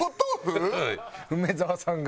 梅沢さんが？